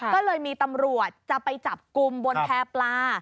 ก็เลยมีตำรวจจะไปจับกลุ่มบนแพร่ปลา